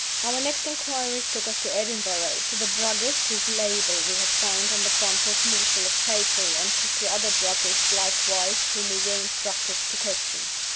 "Our next inquiries took us to Edinburgh to the druggist whose label we had found on the crumpled morsel of paper, and to other druggists likewise whom we were instructed to question.